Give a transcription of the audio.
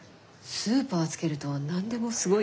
スーパーつけると何でもすごいよね。